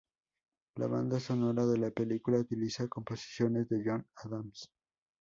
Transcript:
La banda sonora de la película utiliza composiciones de John Adams.